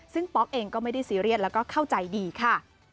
ซึ่งป๊อกเองก็ไม่ได้ซีเรียสแล้วก็เข้าใจดีค่ะ